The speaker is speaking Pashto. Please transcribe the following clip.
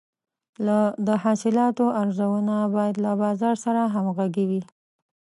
د حاصلاتو ارزونه باید له بازار سره همغږې وي.